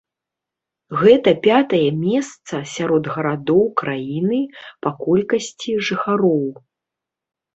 Гэта пятае месца сярод гарадоў краіны па колькасці жыхароў.